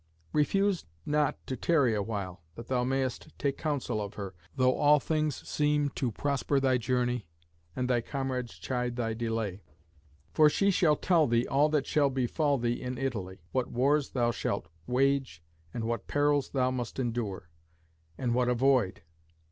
Refuse not to tarry awhile, that thou mayest take counsel of her, though all things seem to prosper thy journey and thy comrades chide thy delay. For she shall tell thee all that shall befall thee in Italy what wars thou shalt wage, and what perils thou must endure, and what avoid.